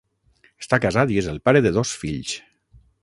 Està casat i és el pare de dos fills.